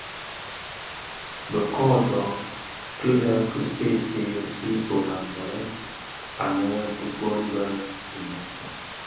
Bë kōdō ti lè ki see see siiton a bolè anë bi bon bë dimèn.